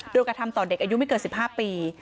โดยกระทำต่อเด็กอายุไม่เกิน๑๕ปี